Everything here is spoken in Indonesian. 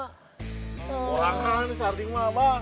kurang sardung ma ma